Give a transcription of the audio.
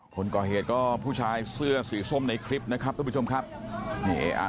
คนก่อเหตุก็ผู้ชายเสื้อสีส้มในทริปนะครับต้องไปชมครับนี้่้า